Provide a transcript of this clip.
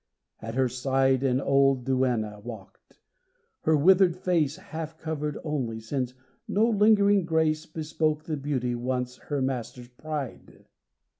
At her side An old duenna walked; her withered face Half covered only, since no lingering grace Bespoke the beauty once her master's pride.